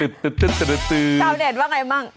ชาวเน็ตว่าไงบ้าง